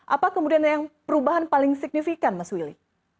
apa kemudian yang perubahan paling signifikan mas willy